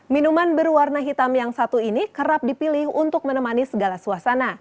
minuman berwarna hitam yang satu ini kerap dipilih untuk menemani segala suasana